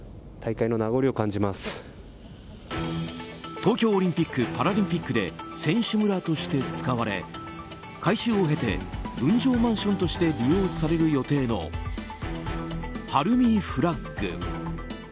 東京オリンピック・パラリンピックで選手村として使われ改修を経て分譲マンションとして利用される予定のＨＡＲＵＭＩＦＬＡＧ。